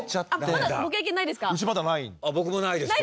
まだご経験ないですか？